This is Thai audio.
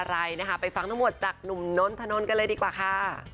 ซึ่งใส่บนไทยนะครับไปฟังทั้งหมวดจากนุ้งนนนจากผู้ชมถนนกันเลยดีกว่าค่ะ